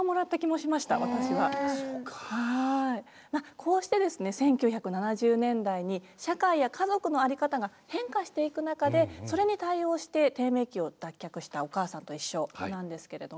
こうしてですね１９７０年代に社会や家族の在り方が変化していく中でそれに対応して低迷期を脱却した「おかあさんといっしょ」なんですけれども。